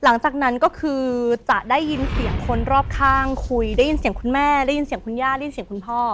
หลังจากนั้นก็คือจะได้ยินเสียงคนรอบข้างคุยได้ยินเสียงคุณแม่ได้ยินเสียงคุณย่าได้ยินเสียงคุณพ่อ